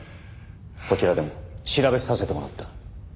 こちらでも調べさせてもらった。